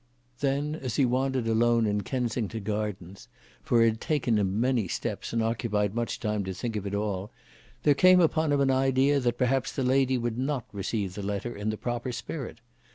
Then, as he wandered alone in Kensington Gardens, for it had taken him many steps, and occupied much time to think of it all, there came upon him an idea that perhaps the lady would not receive the letter in the proper spirit.